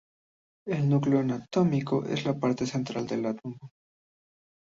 El núcleo atómico es la parte central del átomo.